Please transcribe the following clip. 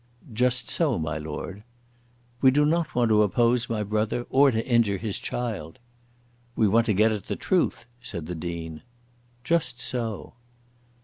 "Just so, my Lord." "We do not want to oppose my brother, or to injure his child." "We want to get at the truth," said the Dean. "Just so."